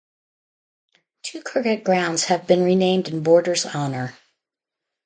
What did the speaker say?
Two cricket grounds have been renamed in Border's honour.